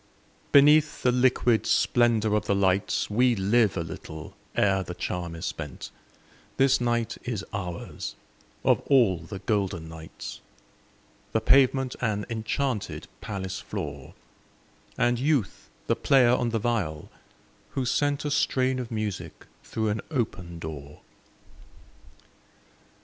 Beneath the liquid splendor of the lights We live a little ere the charm is spent; This night is ours, of all the golden nights, The pavement an enchanted palace floor, And Youth the player on the viol, who sent A strain of music through an open door.